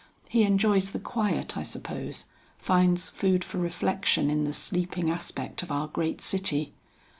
He enjoys the quiet I suppose, finds food for reflection in the sleeping aspect of our great city."